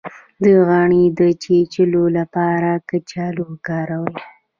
د غڼې د چیچلو لپاره کچالو وکاروئ